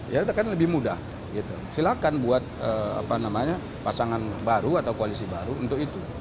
ya kan lebih mudah silakan buat pasangan baru atau koalisi baru untuk itu